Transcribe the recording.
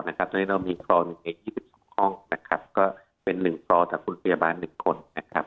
เพราะฉะนั้นเรามีปล่อใน๒๖ห้องนะครับก็เป็น๑ปล่อแต่คุณพยาบาล๑คนนะครับ